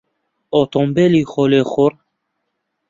ئۆتۆمبێلی خۆلێخوڕ